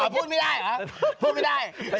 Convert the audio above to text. พูดไม่ได้เหรอพูดไม่ได้